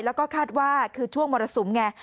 แล้วก็คาดว่าคือช่วงมรสุมไง